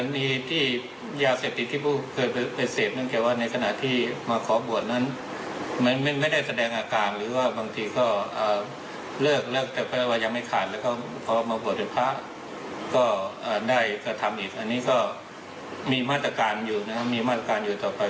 มีมาตรการอยู่นะครับมีมาตรการอยู่ต่อไป